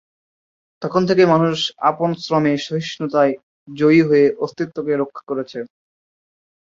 তখন থেকেই মানুষ আপন শ্রমে-সহিষ্ণুতায় জয়ী হয়ে অস্তিত্বকে রক্ষা করেছে।